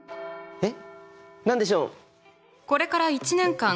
えっ！